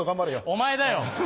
お前だよ。